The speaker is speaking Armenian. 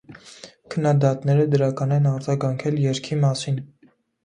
Քննադատները դրական են արձագանքել երգի մասին։